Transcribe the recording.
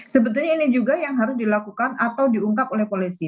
sebetulnya ini juga yang harus dilakukan atau diungkap oleh polisi